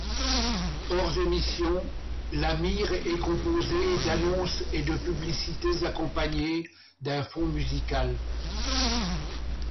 Hors émissions, la mire est composée d'annonces et de publicités accompagnées d'un fond musical.